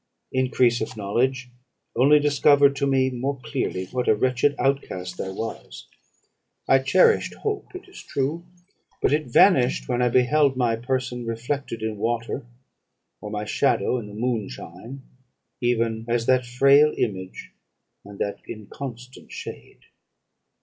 Increase of knowledge only discovered to me more clearly what a wretched outcast I was. I cherished hope, it is true; but it vanished, when I beheld my person reflected in water, or my shadow in the moonshine, even as that frail image and that inconstant shade.